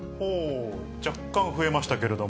若干、増えましたけれども。